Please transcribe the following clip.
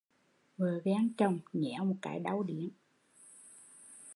Vợ ghen chồng, nhéo một cái đau điếng